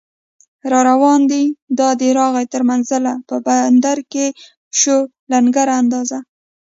راروان دی دا دی راغی تر منزله، په بندر کې شو لنګر اندازه